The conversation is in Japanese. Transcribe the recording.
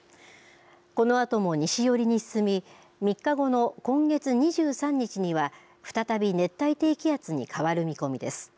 このあとも西寄りに進み３日後の今月２３日には再び熱帯低気圧に変わる見込みです。